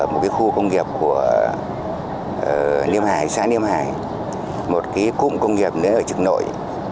một cái khu công nghiệp của liêm hải xã niêm hải một cái cụm công nghiệp đấy ở trực nội